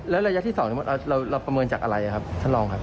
แล้วระยะที่๒เราประเมินจากอะไรครับท่านรองครับ